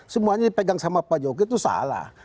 semuanya dipegang sama pak jokowi itu salah